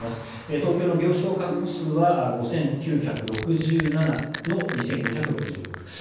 東京の病床確保数は５９６７の２４６６人。